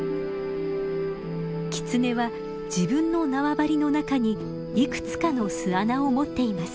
キツネは自分の縄張りの中にいくつかの巣穴を持っています。